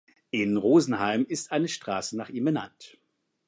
In Rosenheim ist eine Straße nach ihm benannt.